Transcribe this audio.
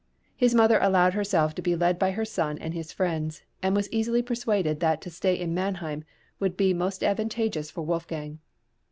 His mother allowed herself to be led by her son and his friends, and was easily persuaded that to stay in Mannheim would be most advantageous for Wolfgang.